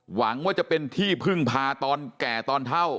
หวังว่าจะเป็นที่พึ่งพาตอนแก่ตอนเท่า